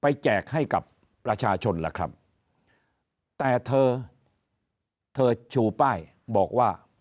แจกให้กับประชาชนล่ะครับแต่เธอเธอชูป้ายบอกว่า